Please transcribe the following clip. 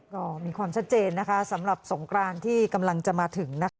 ก็มีความชัดเจนนะคะสำหรับสงกรานที่กำลังจะมาถึงนะคะ